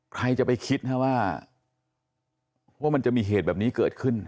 ใครจะไปคิดนะว่ามันจะมีเหตุแบบนี้เกิดขึ้น